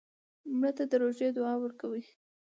مړه ته د روژې دعا ورکوو